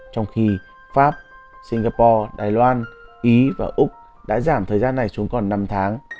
trong khi pháp singapore đài loan ý và úc đã giảm thời gian này xuống còn năm tháng